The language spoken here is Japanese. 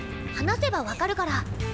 話せば分かるから。